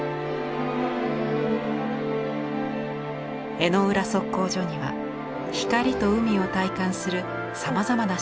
江之浦測候所には光と海を体感するさまざまな仕掛けがあります。